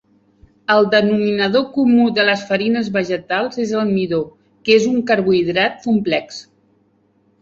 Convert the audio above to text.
El denominador comú de les farines vegetals és el midó, que és un carbohidrat complex.